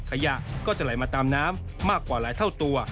ขยะก็จะไหลมาตามน้ำมากกว่าหลายเท่าตัว